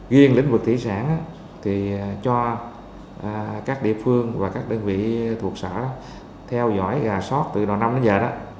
riêng lĩnh vực thủy sản thì cho các địa phương và các đơn vị thuộc xã theo dõi gà sót từ đầu năm đến giờ đó